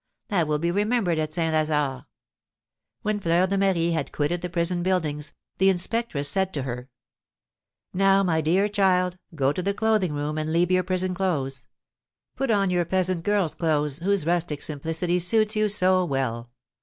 That will be remembered at St. Lazare." When Fleur de Marie had quitted the prison buildings, the inspectress said to her: "Now, my dear child, go to the clothing room, and leave your prison clothes. Put on your peasant girl's clothes, whose rustic simplicity suits you so well.